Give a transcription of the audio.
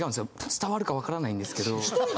伝わるか分からないんですけど。